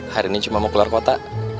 hari ini cuma mau keluar kota